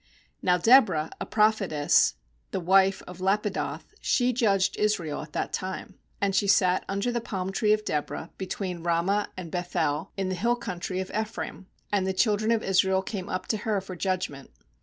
4Now Deborah, a prophetess, the wife of Lappidoth, she judged Israel at that time. 5And she sat tinder the palm tree of Deborah between Hamah and Beth el in the hill country of Ephraim; and the children of Israel came up to her for judgment.